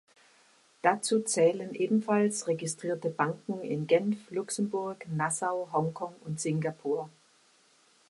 Dazu zählen ebenfalls registrierte Banken in Genf, Luxemburg, Nassau, Hongkong und Singapur.